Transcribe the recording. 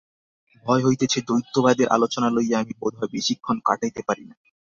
ভয় হইতেছে, দ্বৈতবাদের আলোচনা লইয়া আমি বোধ হয় বেশীক্ষণ কাটাইতে পারি না।